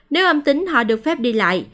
nếu âm tính họ được phép đi lại